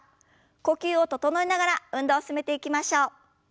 呼吸を整えながら運動を進めていきましょう。